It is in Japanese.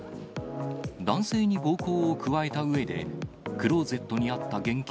男性に暴行を加えたうえで、クローゼットにあった現金